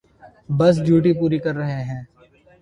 بس ڈیوٹی پوری کر رہے ہیں۔